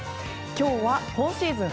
今日は今シーズン